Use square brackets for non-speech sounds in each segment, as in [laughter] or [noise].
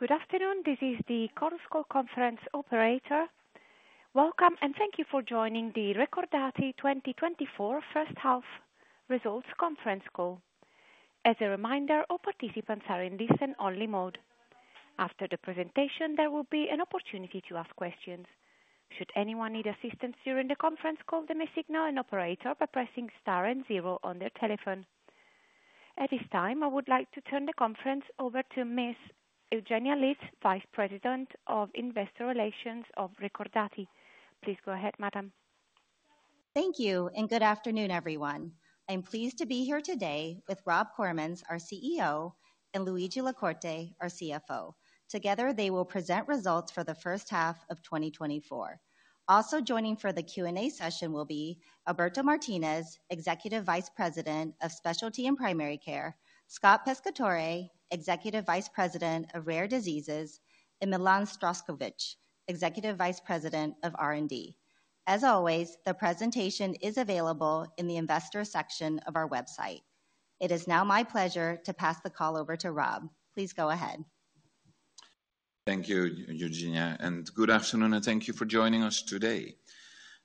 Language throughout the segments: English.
Good afternoon, this is the Chorus Call conference operator. Welcome, and thank you for joining the Recordati 2024 first half results conference call. As a reminder, all participants are in listen-only mode. After the presentation, there will be an opportunity to ask questions. Should anyone need assistance during the conference call, they may signal an operator by pressing star and zero on their telephone. At this time, I would like to turn the conference over to Ms. Eugenia Litz, Vice President of Investor Relations of Recordati. Please go ahead, Madam. Thank you, and good afternoon, everyone. I'm pleased to be here today with Rob Koremans, our CEO, and Luigi La Corte, our CFO. Together, they will present results for the first half of 2024. Also joining for the Q&A session will be Alberto Martinez, Executive Vice President of Specialty and Primary Care, Scott Pescatore, Executive Vice President of Rare Diseases, and Milan Zdravkovic, Executive Vice President of R&D. As always, the presentation is available in the Investor section of our website. It is now my pleasure to pass the call over to Rob. Please go ahead. Thank you, Eugenia, and good afternoon, and thank you for joining us today.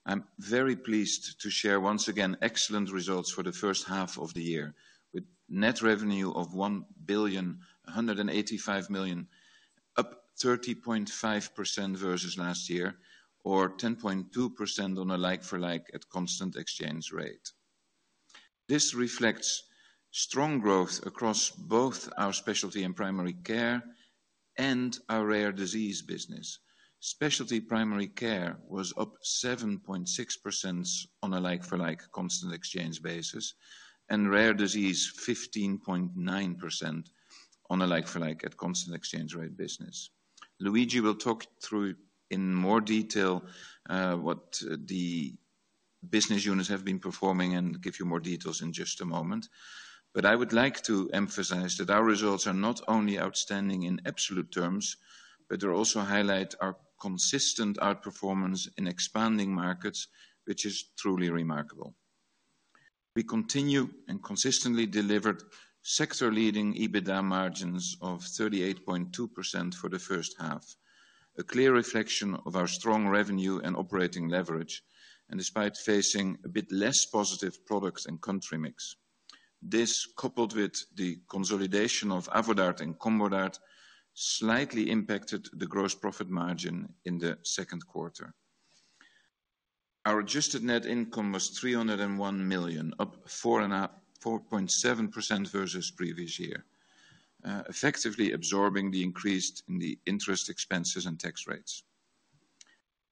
I'm very pleased to share, once again, excellent results for the first half of the year, with net revenue of 1.185 million, up 30.5% versus last year, or 10.2% on a like-for-like at constant exchange rate. This reflects strong growth across both our specialty and primary care and our rare disease business. Specialty primary care was up 7.6% on a like-for-like constant exchange basis, and rare disease 15.9% on a like-for-like at constant exchange rate business. Luigi will talk through in more detail what the business units have been performing and give you more details in just a moment. I would like to emphasize that our results are not only outstanding in absolute terms, but they also highlight our consistent outperformance in expanding markets, which is truly remarkable. We continue and consistently delivered sector-leading EBITDA margins of 38.2% for the first half, a clear reflection of our strong revenue and operating leverage, and despite facing a bit less positive product and country mix, this, coupled with the consolidation of Avodart and Combodart, slightly impacted the gross profit margin in the Q2. Our adjusted net income was 301 million, up 4.7% versus previous year, effectively absorbing the increase in the interest expenses and tax rates.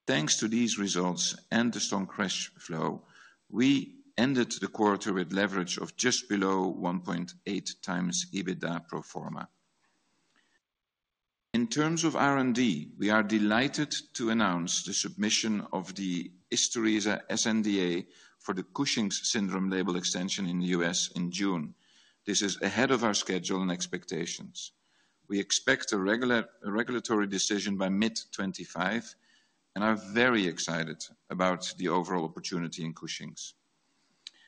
Thanks to these results and the strong cash flow, we ended the quarter with leverage of just below 1.8x EBITDA pro forma. In terms of R&D, we are delighted to announce the submission of the Isturisa sNDA for the Cushing's syndrome label extension in the U.S. in June. This is ahead of our schedule and expectations. We expect a regulatory decision by mid-2025, and are very excited about the overall opportunity in Cushing's.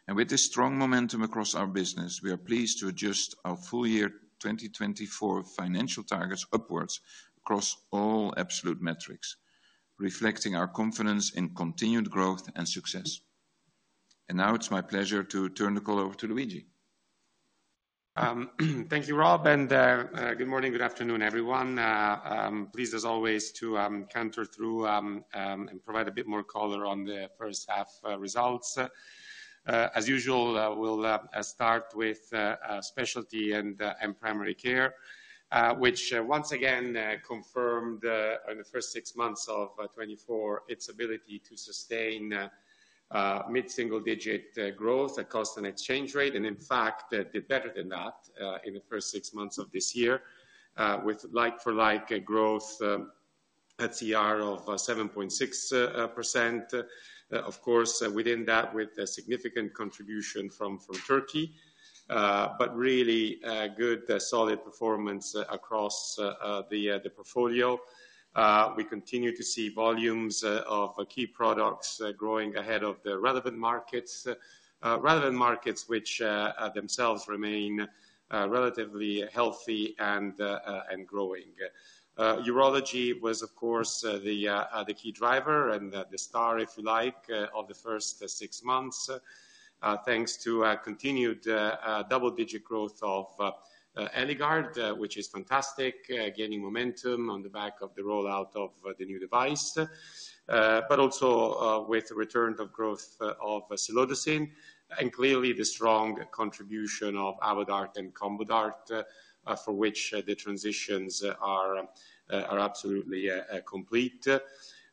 With this strong momentum across our business, we are pleased to adjust our full year 2024 financial targets upwards across all absolute metrics, reflecting our confidence in continued growth and success. Now it's my pleasure to turn the call over to Luigi. Thank you, Rob, and good morning, good afternoon, everyone. Please, as always, to counter through and provide a bit more color on the first half results. As usual, we'll start with specialty and primary care, which, once again, confirmed in the first six months of 2024 its ability to sustain mid-single-digit growth at cost and exchange rate, and in fact, did better than that in the first six months of this year, with like-for-like growth at CR of 7.6%. Of course, within that, with significant contribution from Turkey, but really good solid performance across the portfolio. We continue to see volumes of key products growing ahead of the relevant markets, relevant markets which themselves remain relatively healthy and growing. Urology was, of course, the key driver and the star, if you like, of the first six months, thanks to continued double-digit growth of Eligard, which is fantastic, gaining momentum on the back of the rollout of the new device, but also with the return of growth of Silodyx, and clearly the strong contribution of Avodart and Combodart, for which the transitions are absolutely complete.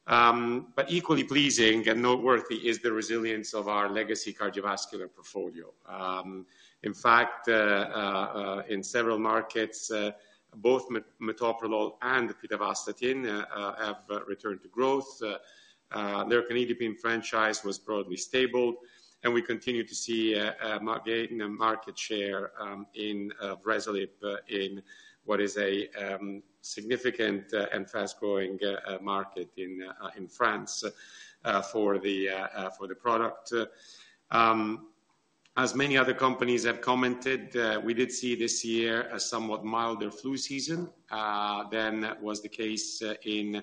But equally pleasing and noteworthy is the resilience of our legacy cardiovascular portfolio. In fact, in several markets, both metoprolol and pitavastatin have returned to growth. Lercanidipine franchise was broadly stable, and we continue to see a market share in Reselip in what is a significant and fast-growing market in France for the product. As many other companies have commented, we did see this year a somewhat milder flu season than was the case in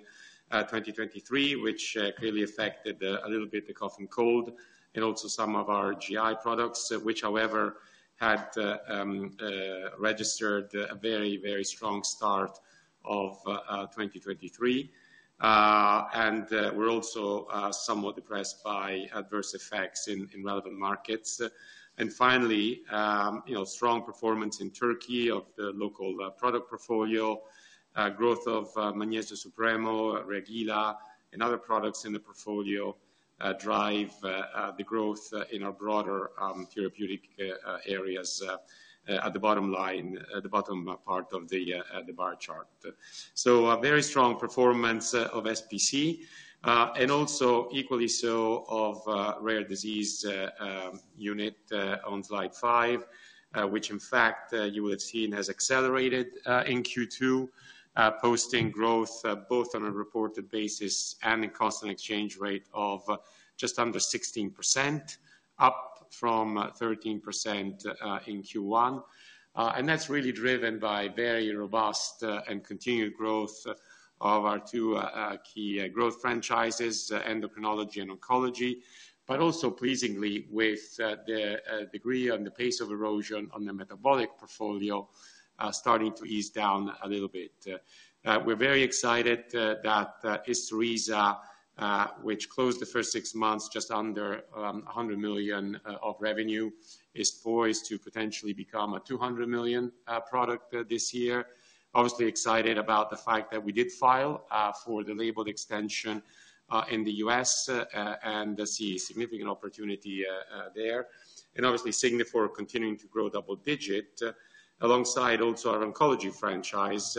2023, which clearly affected a little bit the cough and cold, and also some of our GI products, which, however, had registered a very, very strong start of 2023. And we're also somewhat depressed by adverse effects in relevant markets. And finally, strong performance in Turkey of the local product portfolio, growth of Magnesio Supremo, Reagila, and other products in the portfolio drive the growth in our broader therapeutic areas at the bottom line, at the bottom part of the bar chart. So a very strong performance of SPC, and also equally so of rare disease unit on slide five, which, in fact, you would have seen has accelerated in Q2, posting growth both on a reported basis and in constant exchange rate of just under 16%, up from 13% in Q1. And that's really driven by very robust and continued growth of our two key growth franchises, endocrinology and oncology, but also pleasingly with the degree and the pace of erosion on the metabolic portfolio starting to ease down a little bit. We're very excited that Isturisa, which closed the first six months just under 100 million of revenue, is poised to potentially become a 200 million product this year. Obviously excited about the fact that we did file for the label extension in the U.S. and see a significant opportunity there, and obviously Signifor continuing to grow double-digit, alongside also our oncology franchise,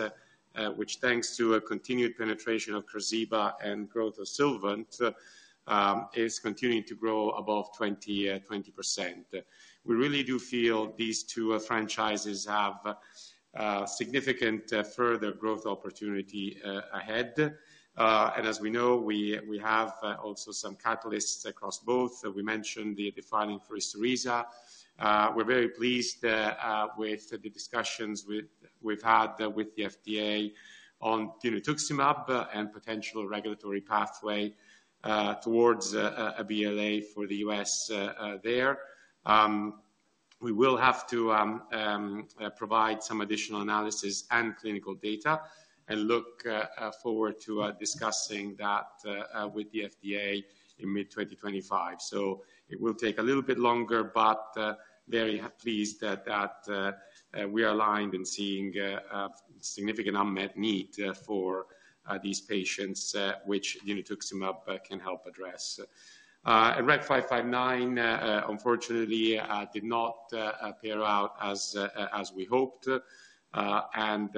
which thanks to continued penetration of Qarziba and growth of Sylvant is continuing to grow above 20%. We really do feel these two franchises have significant further growth opportunity ahead. And as we know, we have also some catalysts across both. We mentioned the filing for Isturisa. We're very pleased with the discussions we've had with the FDA on dinutuximab and potential regulatory pathway towards a BLA for the U.S. there. We will have to provide some additional analysis and clinical data and look forward to discussing that with the FDA in mid-2025. So it will take a little bit longer, but very pleased that we are aligned and seeing significant unmet need for these patients, which dinutuximab can help address. REC 0559, unfortunately, did not pan out as we hoped, and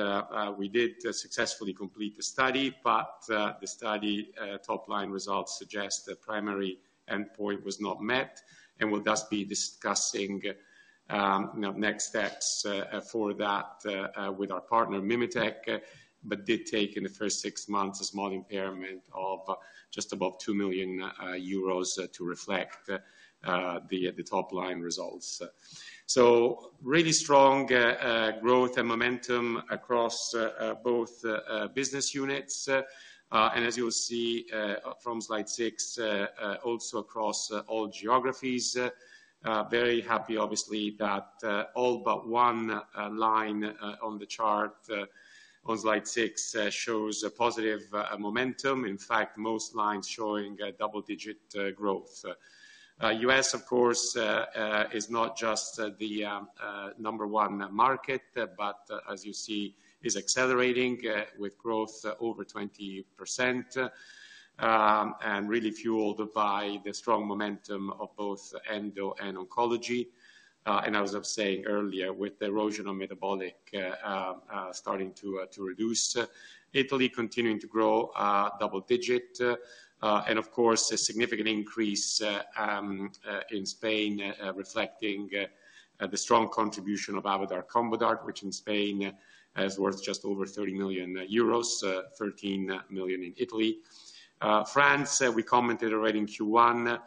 we did successfully complete the study, but the study top-line results suggest the primary endpoint was not met, and we'll thus be discussing next steps for that with our partner, MimeTech, but did take in the first 6 months a small impairment of just above 2 million euros to reflect the top-line results. So really strong growth and momentum across both business units, and as you'll see from slide 6, also across all geographies. Very happy, obviously, that all but one line on the chart on slide 6 shows positive momentum. In fact, most lines showing double-digit growth. U.S., of course, is not just the number 1 market, but as you see, is accelerating with growth over 20% and really fueled by the strong momentum of both endo and oncology. As I was saying earlier, with the erosion of metabolic starting to reduce, Italy continuing to grow double-digit, and of course, a significant increase in Spain reflecting the strong contribution of Avodart-Combodart, which in Spain is worth just over 30 million euros, 13 million in Italy. France, we commented already in Q1,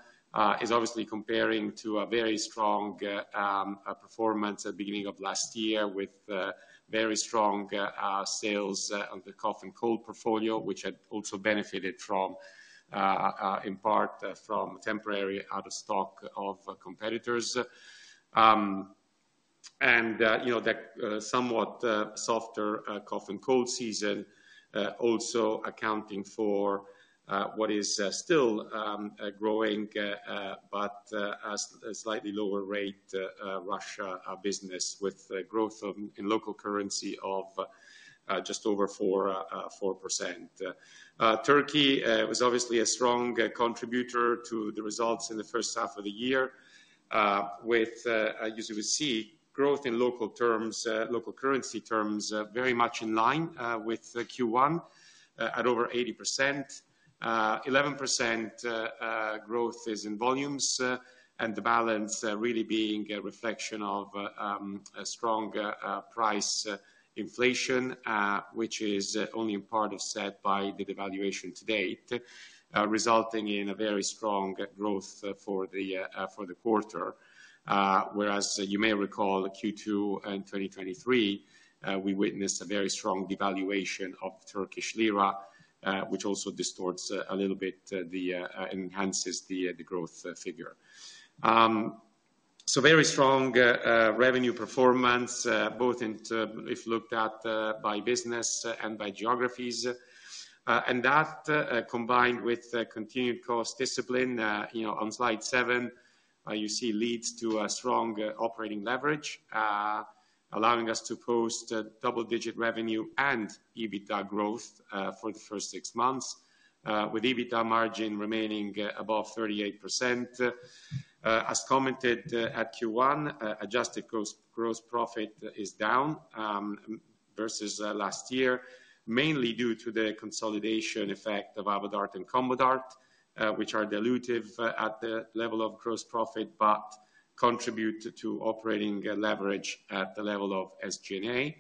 is obviously comparing to a very strong performance at the beginning of last year with very strong sales of the cough and cold portfolio, which had also benefited from, in part, from temporary out-of-stock of competitors. And that somewhat softer cough and cold season also accounting for what is still growing, but a slightly lower rate Russian business with growth in local currency of just over 4%. Turkey was obviously a strong contributor to the results in the first half of the year, with, as you will see, growth in local currency terms very much in line with Q1 at over 80%. 11% growth is in volumes, and the balance really being a reflection of strong price inflation, which is only in part set by the devaluation to date, resulting in a very strong growth for the quarter. Whereas you may recall, Q2 and 2023, we witnessed a very strong devaluation of the Turkish lira, which also distorts a little bit and enhances the growth figure. So very strong revenue performance, both if looked at by business and by geographies. That, combined with continued cost discipline, on slide 7, you see leads to a strong operating leverage, allowing us to post double-digit revenue and EBITDA growth for the first 6 months, with EBITDA margin remaining above 38%. As commented at Q1, adjusted gross profit is down versus last year, mainly due to the consolidation effect of Avodart and Combodart, which are dilutive at the level of gross profit, but contribute to operating leverage at the level of SG&A,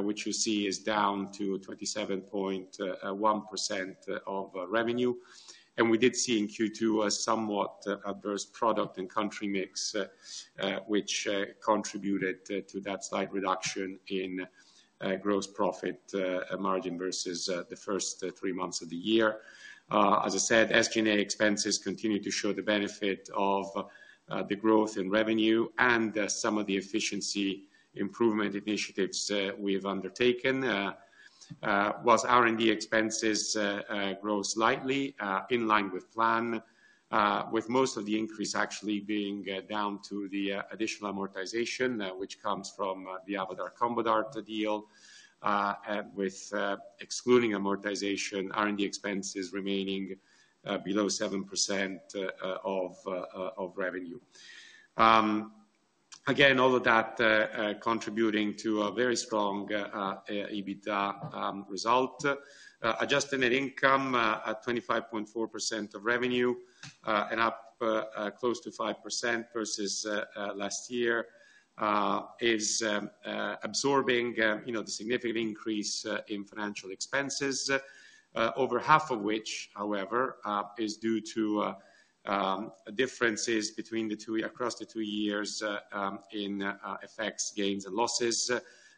which you see is down to 27.1% of revenue. We did see in Q2 a somewhat adverse product and country mix, which contributed to that slight reduction in gross profit margin versus the first 3 months of the year. As I said, SG&A expenses continue to show the benefit of the growth in revenue and some of the efficiency improvement initiatives we have undertaken. While R&D expenses grow slightly in line with plan, with most of the increase actually being down to the additional amortization, which comes from the Avodart-Combodart deal, with excluding amortization, R&D expenses remaining below 7% of revenue. Again, all of that contributing to a very strong EBITDA result. Adjusted net income at 25.4% of revenue and up close to 5% versus last year is absorbing the significant increase in financial expenses, over half of which, however, is due to differences across the two years in effects, gains, and losses.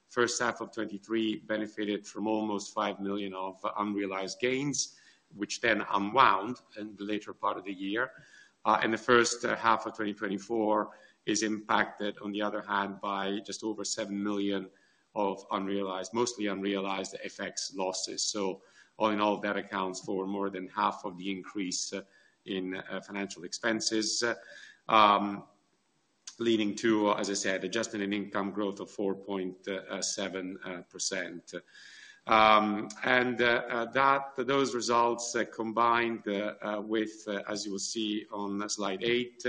First half of 2023 benefited from almost $5 million of unrealized gains, which then unwound in the later part of the year. The first half of 2024 is impacted, on the other hand, by just over $7 million of mostly unrealized effects losses. So all in all, that accounts for more than half of the increase in financial expenses, leading to, as I said, adjusted net income growth of 4.7%. And those results combined with, as you will see on slide 8,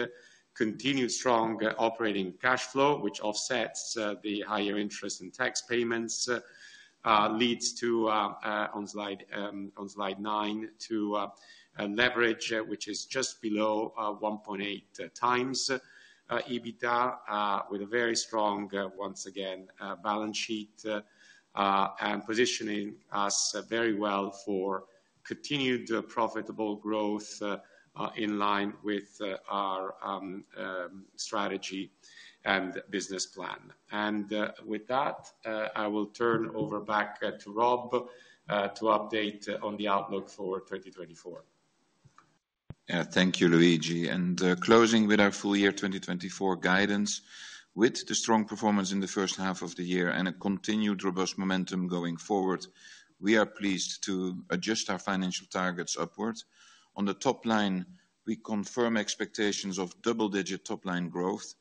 continued strong operating cash flow, which offsets the higher interest and tax payments, leads to, on slide 9, to leverage, which is just below 1.8x EBITDA, with a very strong, once again, balance sheet and positioning us very well for continued profitable growth in line with our strategy and business plan. And with that, I will turn over back to Rob to update on the outlook for 2024. Yeah, thank you, Luigi. And closing with our full year 2024 guidance, with the strong performance in the first half of the year and a continued robust momentum going forward, we are pleased to adjust our financial targets upward. On the top line, we confirm expectations of double-digit top-line growth,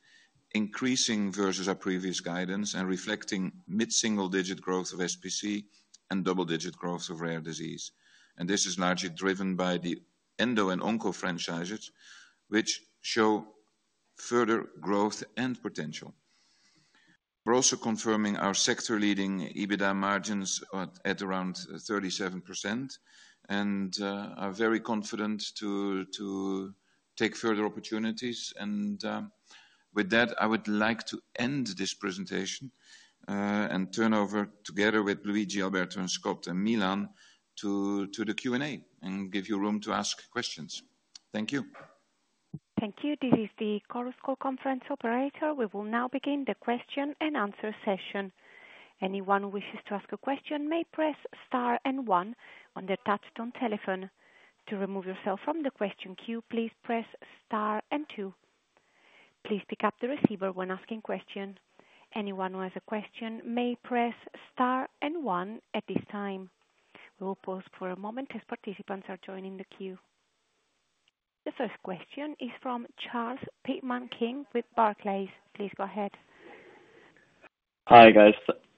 increasing versus our previous guidance and reflecting mid-single-digit growth of SPC and double-digit growth of rare disease. This is largely driven by the Endo and Onco franchises, which show further growth and potential. We're also confirming our sector-leading EBITDA margins at around 37% and are very confident to take further opportunities. With that, I would like to end this presentation and turn over together with Luigi, Alberto, and Scott and Milan to the Q&A and give you room to ask questions. Thank you. Thank you, this is the Chorus Call conference operator. We will now begin the question and answer session. Anyone who wishes to ask a question may press star and one on their touch-tone telephone. To remove yourself from the question queue, please press star and two. Please pick up the receiver when asking a question. Anyone who has a question may press star and one at this time. We will pause for a moment as participants are joining the queue. The first question is from Charles Pitman-King with Barclays. Please go ahead. Hi, guys.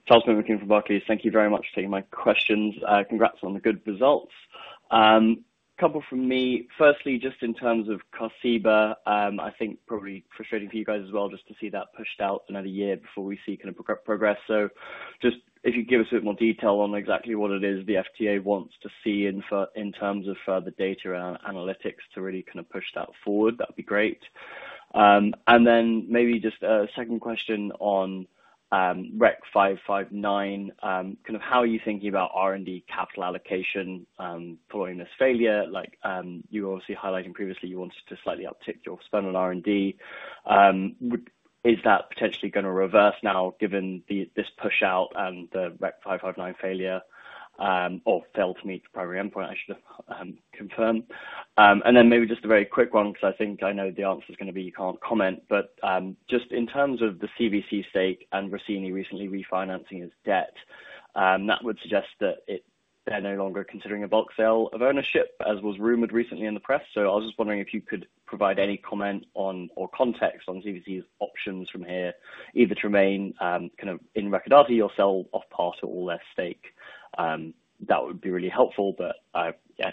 Charles Pitman-King from Barclays. Thank you very much for taking my questions. Congrats on the good results. A couple from me. Firstly, just in terms of Qarziba, I think probably frustrating for you guys as well just to see that pushed out another year before we see kind of progress. So just if you could give us a bit more detail on exactly what it is the FDA wants to see in terms of further data and analytics to really kind of push that forward, that would be great. Then maybe just a second question on REC 0559, kind of how are you thinking about R&D capital allocation following this failure? Like you were obviously highlighting previously, you wanted to slightly uptick your spend on R&D. Is that potentially going to reverse now given this push out and the REC 0559 failure or failed to meet the primary endpoint, I should have confirmed? Then maybe just a very quick one, because I think I know the answer is going to be you can't comment, but just in terms of the CVC stake and Rossini recently refinancing its debt, that would suggest that they're no longer considering a bulk sale of ownership, as was rumored recently in the press. So I was just wondering if you could provide any comment on or context on CVC's options from here, either to remain kind of in Recordati or sell off part or all their stake. That would be really helpful, but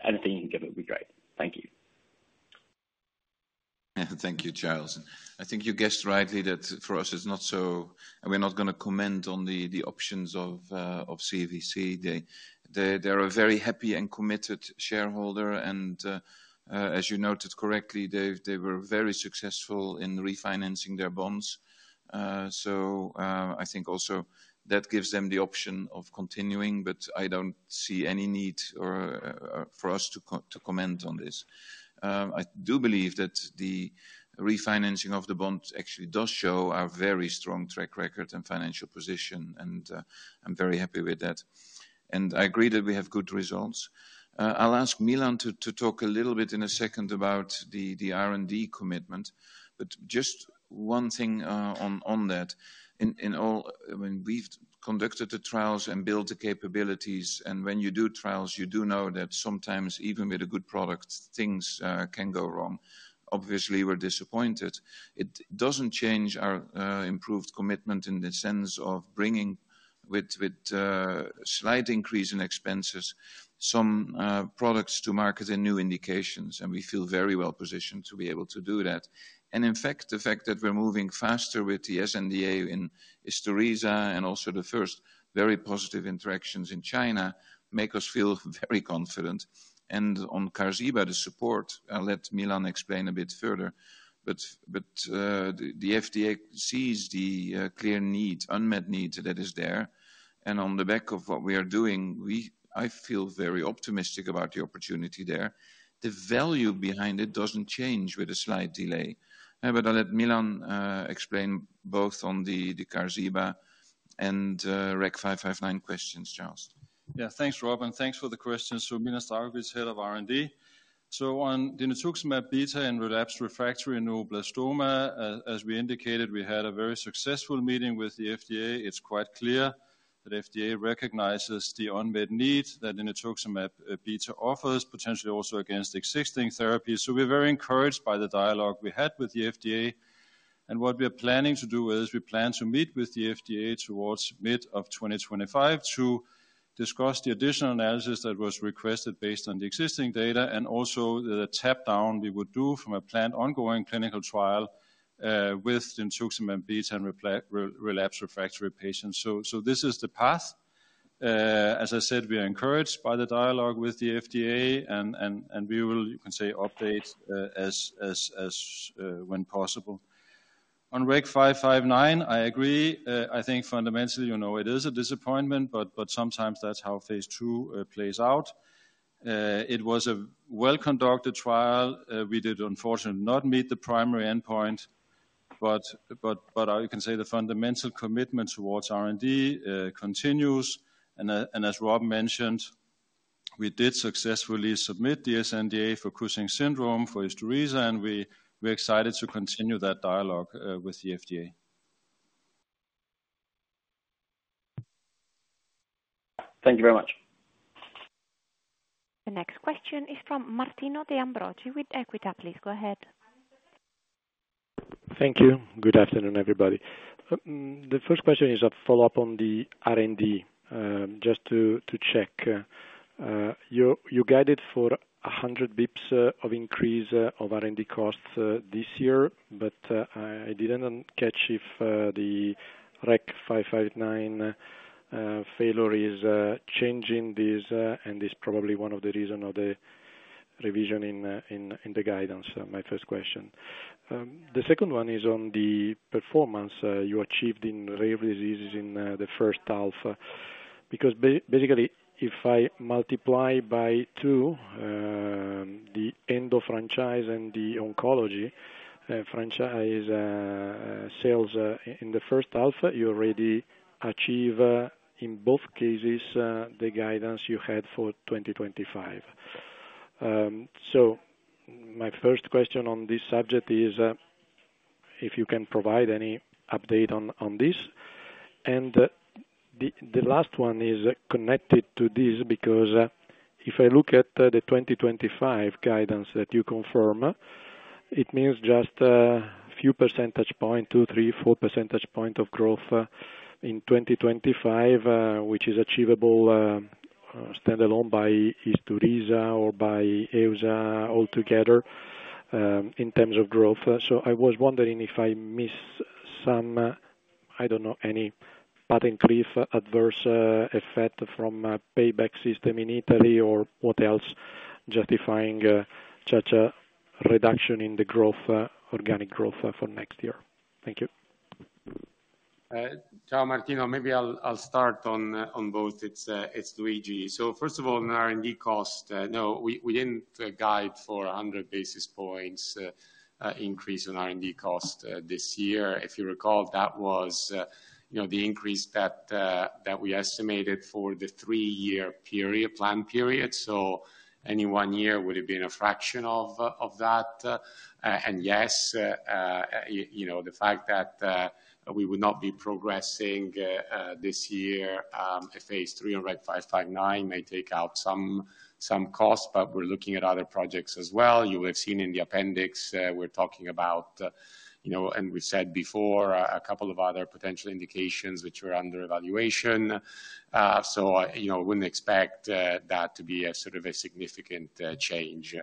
anything you can give it would be great. Thank you. Yeah, thank you, Charles. I think you guessed rightly that for us, it's not so, and we're not going to comment on the options of CVC. They're a very happy and committed shareholder, and as you noted correctly, they were very successful in refinancing their bonds. So I think also that gives them the option of continuing, but I don't see any need for us to comment on this. I do believe that the refinancing of the bond actually does show our very strong track record and financial position, and I'm very happy with that. I agree that we have good results. I'll ask Milan to talk a little bit in a second about the R&D commitment, but just one thing on that. I mean, we've conducted the trials and built the capabilities, and when you do trials, you do know that sometimes even with a good product, things can go wrong. Obviously, we're disappointed. It doesn't change our improved commitment in the sense of bringing, with a slight increase in expenses, some products to market in new indications, and we feel very well positioned to be able to do that. In fact, the fact that we're moving faster with the sNDA in Isturisa and also the first very positive interactions in China makes us feel very confident. And on Qarziba, the support, I'll let Milan explain a bit further, but the FDA sees the clear need, unmet need that is there. And on the back of what we are doing, I feel very optimistic about the opportunity there. The value behind it doesn't change with a slight delay. I'll let Milan explain both on the Qarziba and REC 0559 questions, Charles. Yeah, thanks, Rob, and thanks for the questions. So Milan Zdravkovic, head of R&D. So on the dinutuximab beta and relapsed refractory neuroblastoma, as we indicated, we had a very successful meeting with the FDA. It's quite clear that the FDA recognizes the unmet need that the dinutuximab beta offers, potentially also against existing therapies. So we're very encouraged by the dialogue we had with the FDA. What we are planning to do is we plan to meet with the FDA towards mid-2025 to discuss the additional analysis that was requested based on the existing data and also the tap down we would do from a planned ongoing clinical trial with the dinutuximab beta and relapsed refractory patients. So this is the path. As I said, we are encouraged by the dialogue with the FDA, and we will, you can say, update when possible. On REC 0559, I agree. I think fundamentally, you know, it is a disappointment, but sometimes that's how phase two plays out. It was a well-conducted trial. We did, unfortunately, not meet the primary endpoint, but you can say the fundamental commitment towards R&D continues. And as Rob mentioned, we did successfully submit the sNDA for Cushing's syndrome for Isturisa, and we're excited to continue that dialogue with the FDA. Thank you very much. The next question is from Martino De Ambrogi with Equita, please go ahead. Thank you. Good afternoon, everybody. The first question is a follow-up on the R&D. Just to check, you guided for 100 basis points of increase of R&D costs this year, but I didn't catch if the REC 0559 failure is changing this, and this is probably one of the reasons of the revision in the guidance. My first question. The second one is on the performance you achieved in rare diseases in the first half. Because basically, if I multiply by two, the endo franchise and the oncology franchise sales in the first half, you already achieve in both cases the guidance you had for 2025. So my first question on this subject is if you can provide any update on this. The last one is connected to this because if I look at the 2025 guidance that you confirm, it means just a few percentage points, 2, 3, 4 percentage points of growth in 2025, which is achievable standalone by Isturisa or by EUSA altogether in terms of growth. So I was wondering if I missed some, I don't know, any patent cliff adverse effect from a payback system in Italy or what else justifying such a reduction in the organic growth for next year. Thank you. Ciao, Martino. Maybe I'll start on both. It's Luigi. So first of all, on R&D cost, no, we didn't guide for 100 basis points increase on R&D cost this year. If you recall, that was the increase that we estimated for the 3-year plan period. So any 1 year would have been a fraction of that. Yes, the fact that we would not be progressing this year, phase 3 on REC 0559 may take out some costs, but we're looking at other projects as well. You will have seen in the appendix, we're talking about, and we've said before, a couple of other potential indications which were under evaluation. I wouldn't expect that to be a sort of a significant change.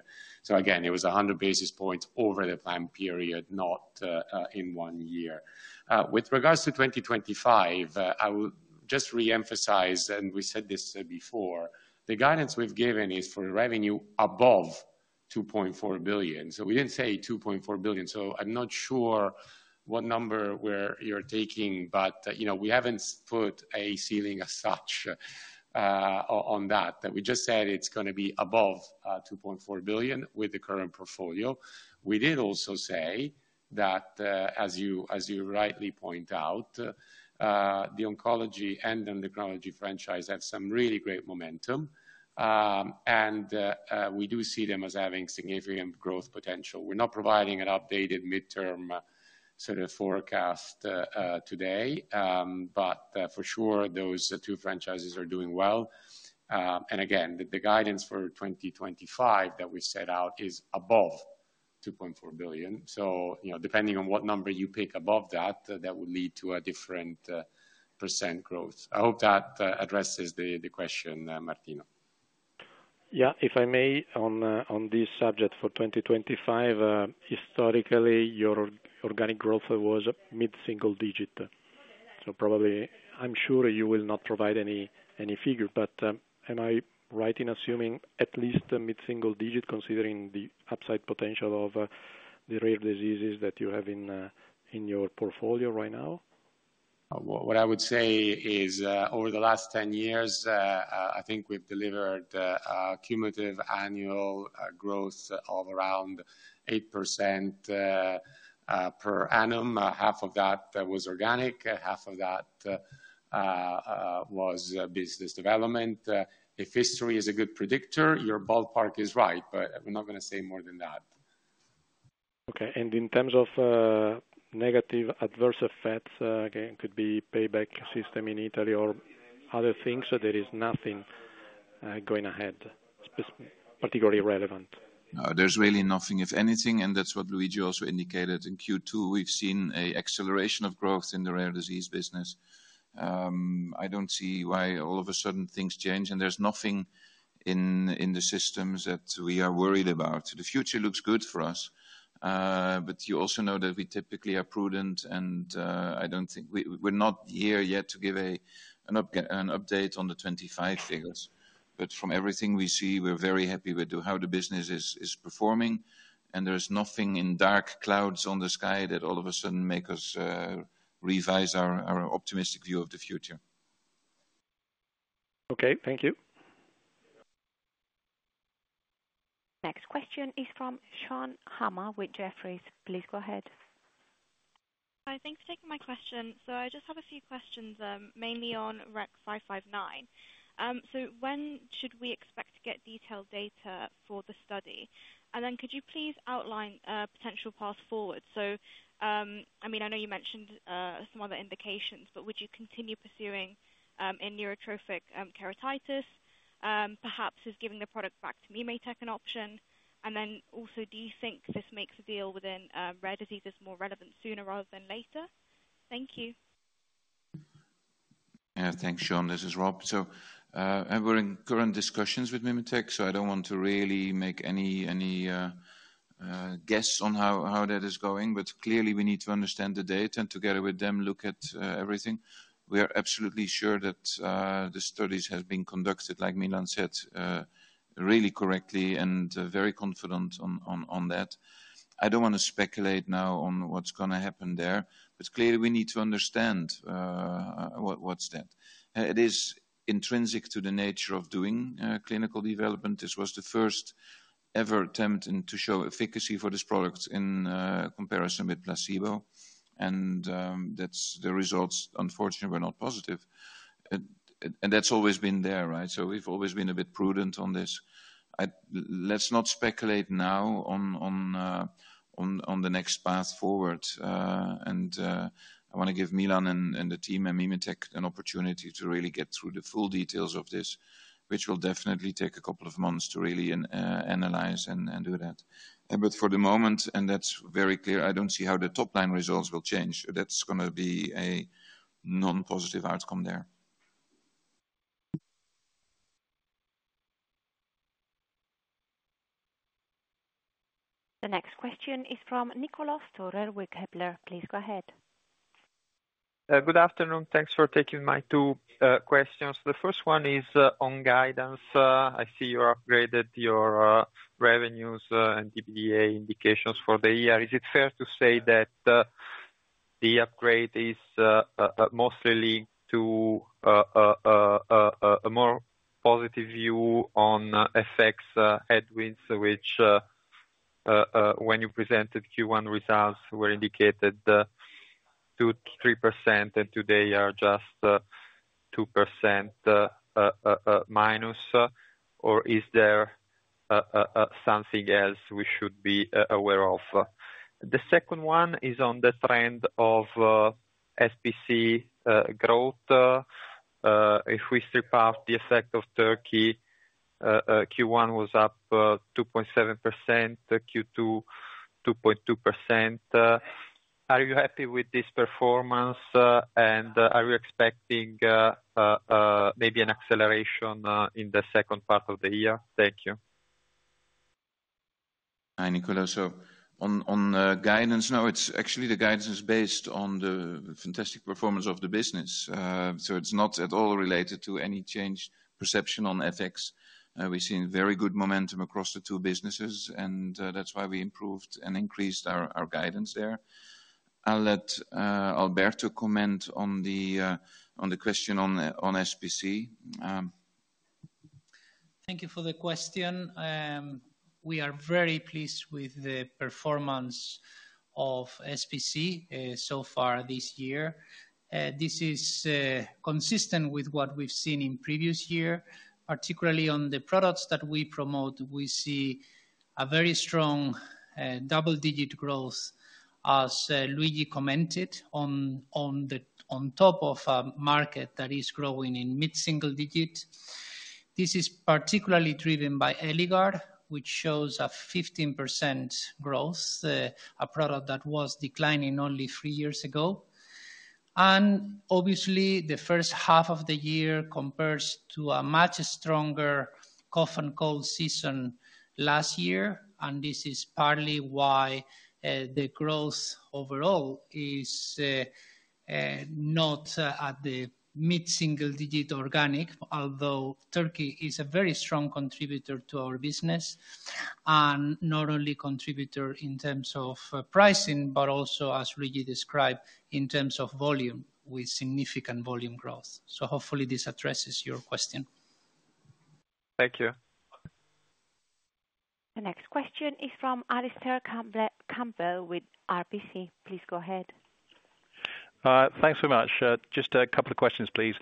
Again, it was 100 basis points over the plan period, not in one year. With regards to 2025, I will just re-emphasize, and we said this before, the guidance we've given is for revenue above 2.4 billion. We didn't say 2.4 billion. I'm not sure what number you're taking, but we haven't put a ceiling as such on that. We just said it's going to be above 2.4 billion with the current portfolio. We did also say that, as you rightly point out, the oncology and endocrinology franchise have some really great momentum, and we do see them as having significant growth potential. We're not providing an updated midterm sort of forecast today, but for sure, those two franchises are doing well. And again, the guidance for 2025 that we set out is above 2.4 billion. So depending on what number you pick above that, that would lead to a different percent growth. I hope that addresses the question, Martino. Yeah, if I may, on this subject for 2025, historically, your organic growth was mid-single digit. So probably, I'm sure you will not provide any figure, but am I right in assuming at least mid-single digit considering the upside potential of the rare diseases that you have in your portfolio right now? What I would say is over the last 10 years, I think we've delivered a cumulative annual growth of around 8% per annum. Half of that was organic. Half of that was business development. If history is a good predictor, your ballpark is right, but we're not going to say more than that. Okay. And in terms of negative adverse effects, again, it could be payback system in Italy or other things, so there is nothing going ahead particularly relevant? There's really nothing, if anything, and that's what Luigi also indicated. In Q2, we've seen an acceleration of growth in the rare disease business. I don't see why all of a sudden things change, and there's nothing in the systems that we are worried about. The future looks good for us, but you also know that we typically are prudent, and I don't think we're not here yet to give an update on the 25 figures. But from everything we see, we're very happy with how the business is performing, and there's nothing in dark clouds on the sky that all of a sudden makes us revise our optimistic view of the future. Okay, thank you. Next question is from Sean Hammer with Jefferies. Please go ahead. Hi, thanks for taking my question. So I just have a few questions, mainly on REC 0559. So when should we expect to get detailed data for the study? And then could you please outline a potential path forward? So I mean, I know you mentioned some other indications, but would you continue pursuing in neurotrophic keratitis? Perhaps if giving the product back to me may take an option. Then also, do you think this makes a deal within rare diseases more relevant sooner rather than later? Thank you. Thanks, Sean. This is Rob. So we're in current discussions with MimeTech, so I don't want to really make any guess on how that is going, but clearly we need to understand the data and together with them look at everything. We are absolutely sure that the studies have been conducted, like Milan said, really correctly and very confident on that. I don't want to speculate now on what's going to happen there, but clearly we need to understand what's that. It is intrinsic to the nature of doing clinical development. This was the first ever attempt to show efficacy for this product in comparison with placebo, and the results, unfortunately, were not positive. And that's always been there, right? So we've always been a bit prudent on this. Let's not speculate now on the next path forward. And I want to give Milan and the team at MimeTech an opportunity to really get through the full details of this, which will definitely take a couple of months to really analyze and do that. But for the moment, and that's very clear, I don't see how the top line results will change. That's going to be a non-positive outcome there. The next question is from Niccolò Storer with Kepler Cheuvreux. Please go ahead. Good afternoon. Thanks for taking my two questions. The first one is on guidance. I see you upgraded your revenues and EBITDA indications for the year. Is it fair to say that the upgrade is mostly linked to a more positive view on FX headwinds, which when you presented Q1 results were indicated 2%-3% and today are just -2%, or is there something else we should be aware of? The second one is on the trend of SPC growth. If we strip out the effect of Turkey, Q1 was up 2.7%, Q2 2.2%. Are you happy with this performance, and are you expecting maybe an acceleration in the second part of the year? Thank you. Hi, Nikola. So on guidance, no, it's actually the guidance is based on the fantastic performance of the business. So it's not at all related to any change perception on FX. We've seen very good momentum across the two businesses, and that's why we improved and increased our guidance there. I'll let Alberto comment on the question on SPC. Thank you for the question. We are very pleased with the performance of SPC so far this year. This is consistent with what we've seen in previous years, particularly on the products that we promote. We see a very strong double-digit growth, as Luigi commented, on top of a market that is growing in mid-single digits. This is particularly driven by Eligard, which shows a 15% growth, a product that was declining only three years ago. Obviously, the first half of the year compares to a much stronger cough and cold season last year, and this is partly why the growth overall is not at the mid-single digit organic, although Turkey is a very strong contributor to our business, and not only a contributor in terms of pricing, but also, as Luigi described, in terms of volume with significant volume growth. So hopefully, this addresses your question. Thank you. The next question is from Alastair Campbell with RPC. Please go ahead. Thanks very much. Just a couple of questions, please.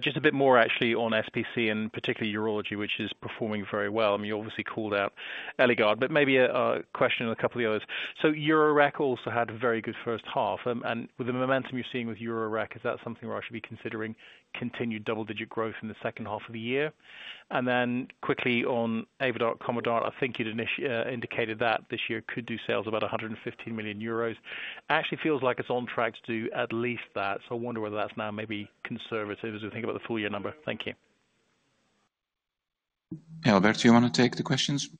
Just a bit more, actually, on SPC and particularly urology, which is performing very well. I mean, you obviously called out Eligard, but maybe a question on a couple of the others. So Urorec also had a very good first half. With the momentum you're seeing with Urorec, is that something where I should be considering continued double-digit growth in the second half of the year? And then quickly on Avodart Combodart, I think you'd indicated that this year could do sales about 115 million euros. Actually feels like it's on track to do at least that. So I wonder whether that's now maybe conservative as we think about the full year number. Thank you. Alberto, do you want to take the questions?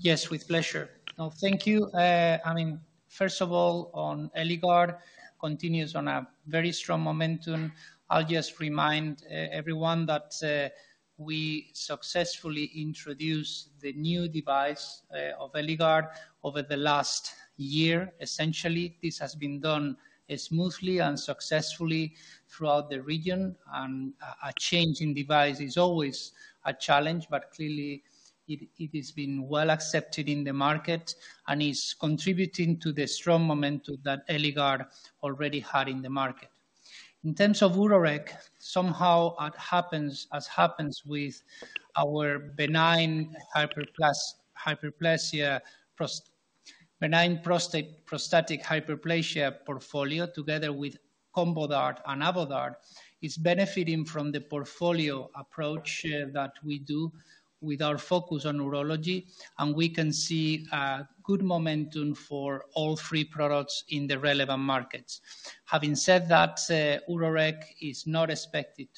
Yes, with pleasure. No, thank you. I mean, first of all, on Eligard, continues on a very strong momentum. I'll just remind everyone that we successfully introduced the new device of Eligard over the last year, essentially. This has been done smoothly and successfully throughout the region. A change in device is always a challenge, but clearly, it has been well accepted in the market and is contributing to the strong momentum that Eligard already had in the market. In terms of Urorec, somehow it happens as happens with our benign prostatic hyperplasia portfolio together with Combodart and Avodart. It's benefiting from the portfolio approach that we do with our focus on urology, and we can see a good momentum for all three products in the relevant markets. Having said that, Urorec is not expected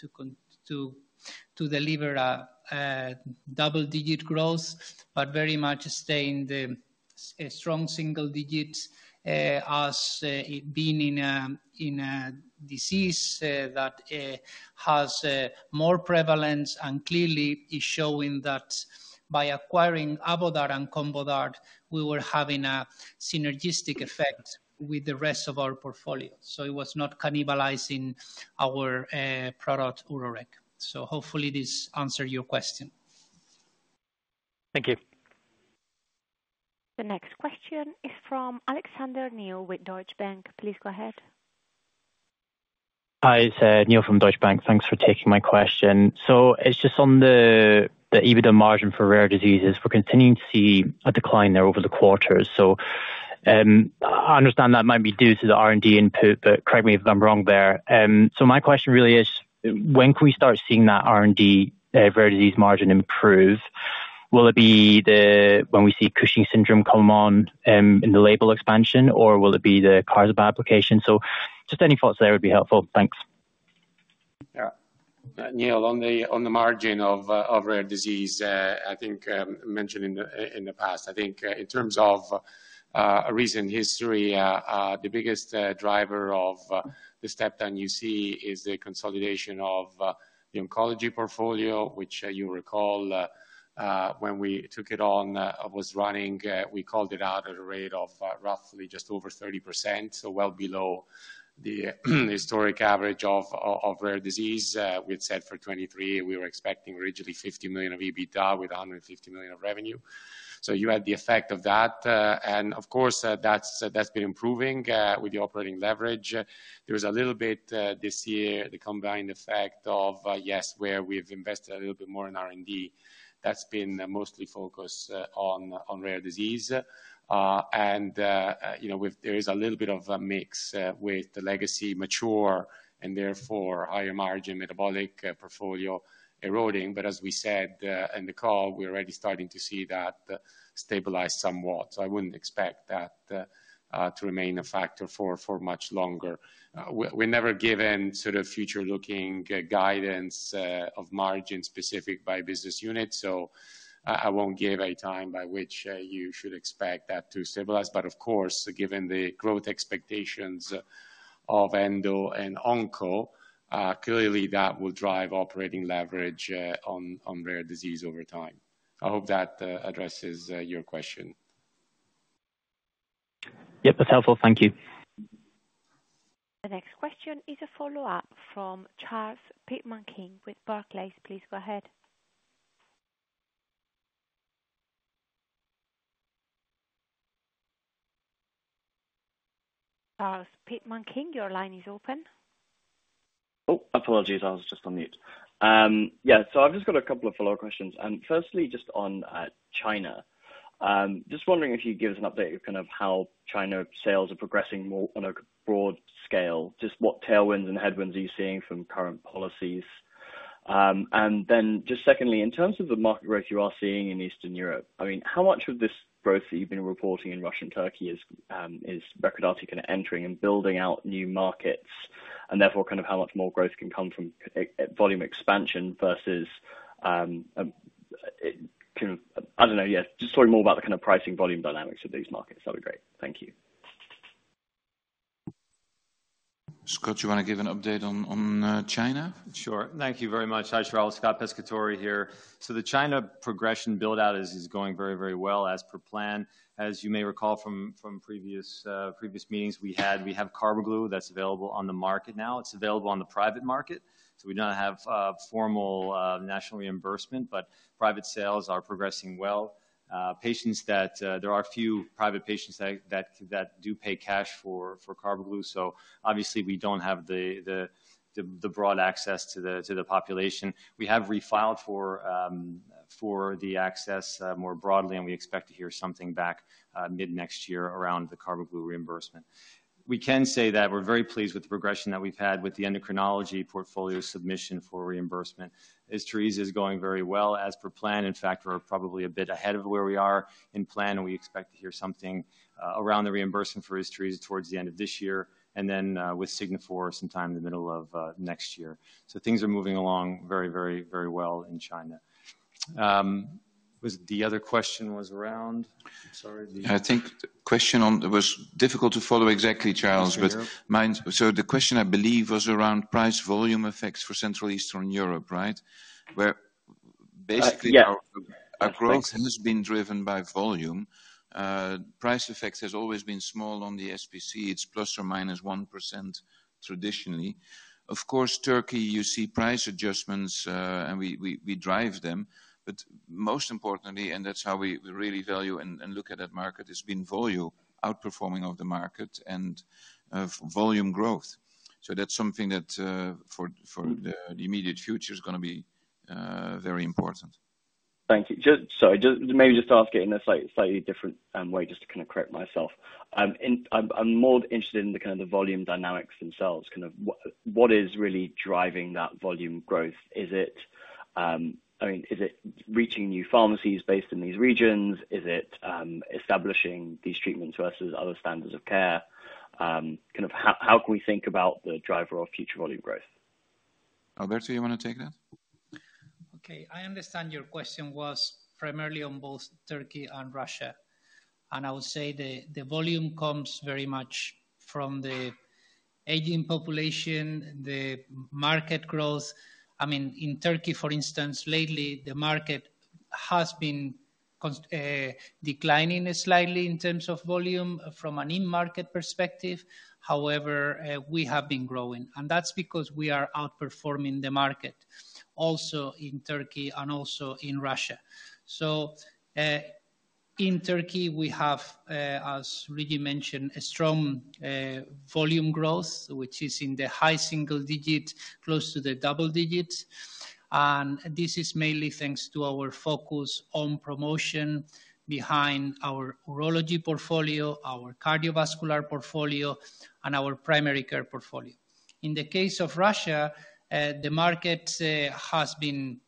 to deliver a double-digit growth, but very much staying the strong single digits as being in a disease that has more prevalence and clearly is showing that by acquiring Avodart and Combodart, we were having a synergistic effect with the rest of our portfolio. So it was not cannibalizing our product, Urorec. So hopefully, this answered your question. Thank you. The next question is from Niall Alexander with Deutsche Bank. Please go ahead. Hi, it's Niall from Deutsche Bank. Thanks for taking my question. So it's just on the EBITDA margin for rare diseases. We're continuing to see a decline there over the quarters. So I understand that might be due to the R&D input, but correct me if I'm wrong there. So my question really is, when can we start seeing that R&D rare disease margin improve? Will it be when we see Cushing's syndrome come on in the label expansion, or will it be the [audio distortion] application? So just any thoughts there would be helpful. Thanks. Yeah. Neil, on the margin of rare disease, I think mentioned in the past, I think in terms of recent history, the biggest driver of the step down you see is the consolidation of the oncology portfolio, which you recall when we took it on was running, we called it out at a rate of roughly just over 30%, so well below the historic average of rare disease. We'd said for 2023, we were expecting originally 50 million of EBITDA with 150 million of revenue. So you had the effect of that. And of course, that's been improving with the operating leverage. There was a little bit this year, the combined effect of, yes, where we've invested a little bit more in R&D, that's been mostly focused on rare disease. And there is a little bit of a mix with the legacy mature and therefore higher margin metabolic portfolio eroding. But as we said in the call, we're already starting to see that stabilize somewhat. So I wouldn't expect that to remain a factor for much longer. We're never given sort of future-looking guidance of margin specific by business unit. So I won't give a time by which you should expect that to stabilize. But of course, given the growth expectations of Endo and Onco, clearly that will drive operating leverage on rare disease over time. I hope that addresses your question. Yep, that's helpful. Thank you. The next question is a follow-up from Charles Pitman-King with Barclays. Please go ahead. Charles Pitman-King, your line is open. Oh, apologies. I was just on mute. Yeah, so I've just got a couple of follow-up questions. Firstly, just on China, just wondering if you'd give us an update of kind of how China sales are progressing more on a broad scale, just what tailwinds and headwinds are you seeing from current policies? And then just secondly, in terms of the market growth you are seeing in Eastern Europe, I mean, how much of this growth that you've been reporting in Russia and Turkey is Recordati entering and building out new markets? And therefore, kind of how much more growth can come from volume expansion versus kind of, I don't know, yeah, just talking more about the kind of pricing volume dynamics of these markets. That'd be great. Thank you. Scott, you want to give an update on China? Sure. Thank you very much. Hi, Charles, Scott Pescatore here. So the China progression build-out is going very, very well as per plan. As you may recall from previous meetings we had, we have Carbaglu that's available on the market now. It's available on the private market. So we don't have formal national reimbursement, but private sales are progressing well. There are a few private patients that do pay cash for Carbaglu. So obviously, we don't have the broad access to the population. We have refiled for the access more broadly, and we expect to hear something back mid-next year around the Carbaglu reimbursement. We can say that we're very pleased with the progression that we've had with the endocrinology portfolio submission for reimbursement. Isturisa is going very well as per plan. In fact, we're probably a bit ahead of where we are in plan, and we expect to hear something around the reimbursement for Isturisa towards the end of this year and then with Signifor sometime in the middle of next year. So things are moving along very, very, very well in China. The other question was around, sorry. The question on it was difficult to follow exactly, Charles, but so the question I believe was around price volume effects for Central Eastern Europe, right? Where basically our growth has been driven by volume. Price effect has always been small on the SPC. It's ±1% traditionally. Of course, Turkey, you see price adjustments, and we drive them. But most importantly, and that's how we really value and look at that market, has been volume outperforming of the market and volume growth. So that's something that for the immediate future is going to be very important. Thank you. Sorry, maybe just ask it in a slightly different way just to kind of correct myself. I'm more interested in the kind of the volume dynamics themselves. Kind of what is really driving that volume growth? I mean, is it reaching new pharmacies based in these regions? Is it establishing these treatments versus other standards of care? Kind of how can we think about the driver of future volume growth? Alberto, you want to take that? Okay. I understand your question was primarily on both Turkey and Russia. And I would say the volume comes very much from the aging population, the market growth. I mean, in Turkey, for instance, lately, the market has been declining slightly in terms of volume from an in-market perspective. However, we have been growing. And that's because we are outperforming the market also in Turkey and also in Russia. So in Turkey, we have, as Luigi mentioned, a strong volume growth, which is in the high single digits, close to the double digits. This is mainly thanks to our focus on promotion behind our urology portfolio, our cardiovascular portfolio, and our primary care portfolio. In the case of Russia, the market has been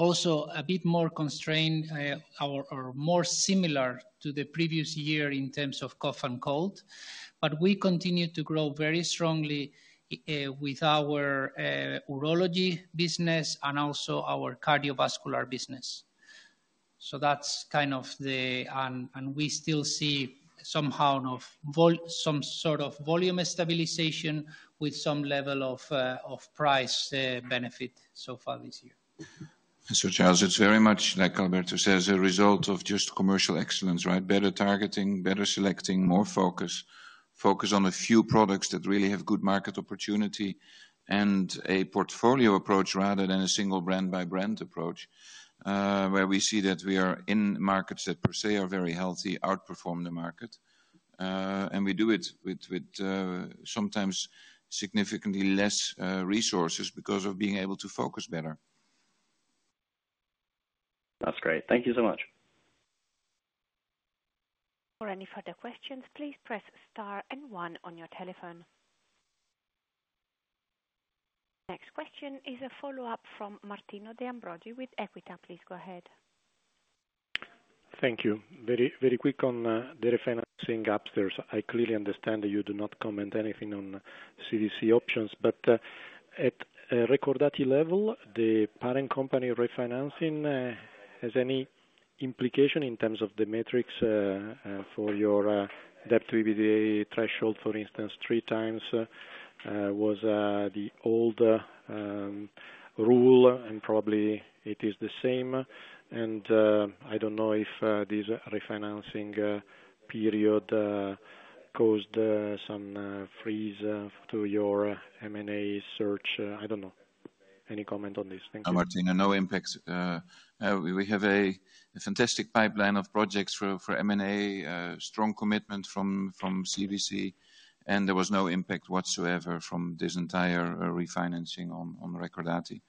also a bit more constrained or more similar to the previous year in terms of cough and cold. But we continue to grow very strongly with our urology business and also our cardiovascular business. So that's kind of the and we still see somehow some sort of volume stabilization with some level of price benefit so far this year. Mr. Charles, it's very much like Alberto says, a result of just commercial excellence, right? Better targeting, better selecting, more focus, focus on a few products that really have good market opportunity and a portfolio approach rather than a single brand-by-brand approach where we see that we are in markets that per se are very healthy, outperform the market. We do it with sometimes significantly less resources because of being able to focus better. That's great. Thank you so much. For any further questions, please press star and one on your telephone. Next question is a follow-up from Martino De Ambrogi with Equita. Please go ahead. Thank you. Very, very quick on the refinancing upstairs. I clearly understand that you do not comment anything on CVC options, but at Recordati level, the parent company refinancing has any implication in terms of the metrics for your debt to EBITDA threshold, for instance, 3 times was the old rule, and probably it is the same. And I don't know if this refinancing period caused some freeze to your M&A search. I don't know. Any comment on this? Thank you. Martino, no impact. We have a fantastic pipeline of projects for M&A, strong commitment from CVC, and there was no impact whatsoever from this entire refinancing on Recordati.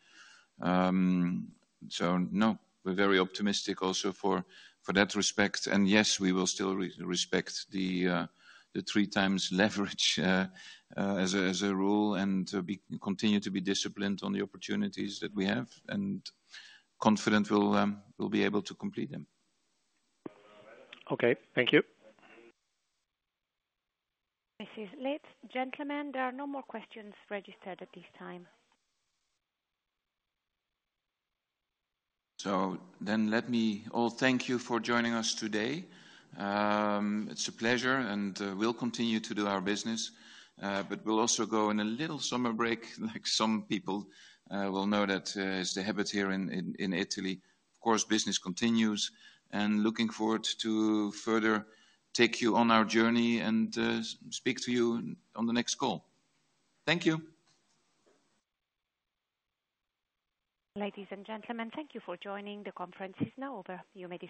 So no, we're very optimistic also for that respect. And yes, we will still respect the 3x leverage as a rule and continue to be disciplined on the opportunities that we have and confident we'll be able to complete them. Okay. Thank you. This is Liz. Gentlemen, there are no more questions registered at this time. So then let me all thank you for joining us today. It's a pleasure, and we'll continue to do our business, but we'll also go on a little summer break, like some people will know that is the habit here in Italy. Of course, business continues, and looking forward to further take you on our journey and speak to you on the next call. Thank you. Ladies and gentlemen, thank you for joining. The conference is now over. You may.